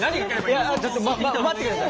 ちょっと待って下さい。